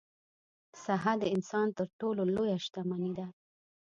صحه د انسان تر ټولو لویه شتمني ده.